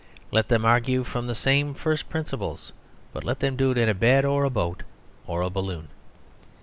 Let them argue from the same first principles, but let them do it in a bed, or a boat, or a balloon.